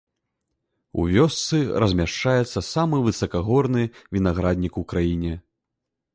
У вёсцы размяшчаецца самы высакагорны вінаграднік у краіне.